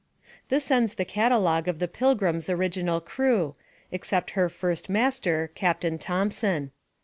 This ends the catalogue of the Pilgrim's original crew, except her first master, Captain Thompson.